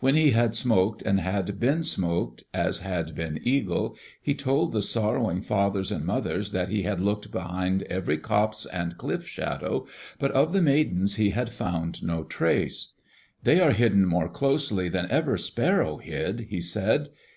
When he had smoked and had been smoked, as had been Eagle, he told the sorrowing fathers and mothers that he had looked behind every copse and cliff shadow, but of the Maidens he had found no trace. "They are hidden more closely than ever sparrow hid," he said.